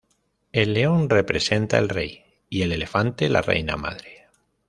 El león representa el rey, y el elefante la reina madre.